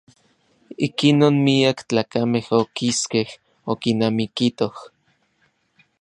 Ikinon miak tlakamej okiskej okinamikitoj.